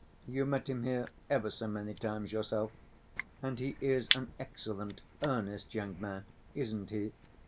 You met him here ever so many times yourself. And he is an excellent, earnest young man, isn't he?